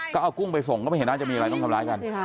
ก็เอากุ้งไปส่งก็ไม่เห็นน่าจะมีอะไรต้องทำร้ายกัน